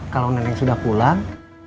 kalau neneng sudah pulang